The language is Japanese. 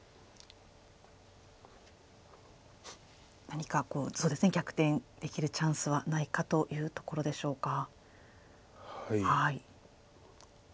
何かそうですね逆転できるチャンスはないかというところでしょうか。